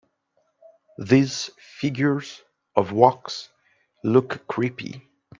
These figures of wax look creepy.